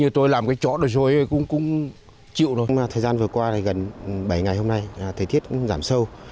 thời gian vừa qua gần bảy ngày hôm nay thời tiết cũng giảm sâu